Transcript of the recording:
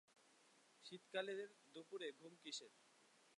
শীতকালের দুপুরে ঘুম কিসের?